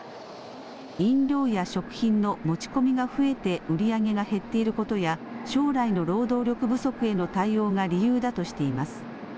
飲料や食品の持ち込みが増えて売り上げが減っていることや将来の労働力不足への対応が理由だとしています。